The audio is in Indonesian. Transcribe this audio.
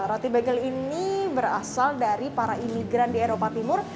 roti bagel ini berasal dari para imigran di eropa timur